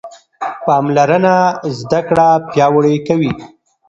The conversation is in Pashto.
پاملرنه زده کړه پیاوړې کوي.